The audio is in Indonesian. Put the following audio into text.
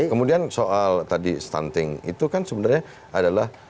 kemudian soal tadi stunting itu kan sebenarnya adalah